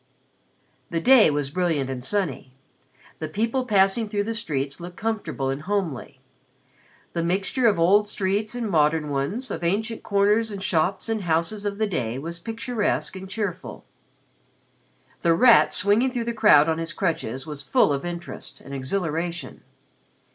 The day was brilliant and sunny, the people passing through the streets looked comfortable and homely, the mixture of old streets and modern ones, of ancient corners and shops and houses of the day was picturesque and cheerful. The Rat swinging through the crowd on his crutches was full of interest and exhilaration.